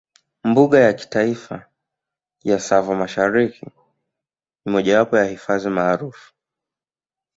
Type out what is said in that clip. Mbuga ya Kitaifa ya Tsavo Mashariki ni mojawapo hifadhi maarufu